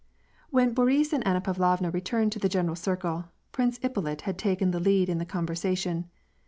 When Boris and Anna Pavlovna returned to the general circle. Prince Ippolit had taken the lead in the conversation.